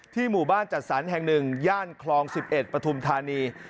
ที่หมู่บ้านจัดสรรแห่งหนึ่งย่านคลองสิบเอ็ดปฐุมธานี